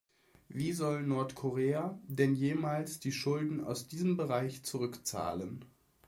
Wie soll Nordkorea denn jemals die Schulden aus diesem Bereich zurückzahlen?